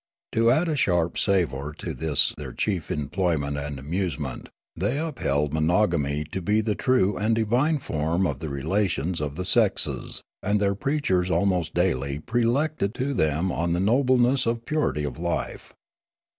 To add a sharp savour to this their chief employment and amusement, they upheld monogamy to be the true and divine form of the relations of the sexes ; and their preachers almost daily prelected to them on the noble ness of purity of life.